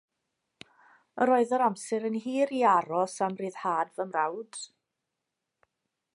Yr oedd yr amser yn hir i aros am ryddhad fy mrawd.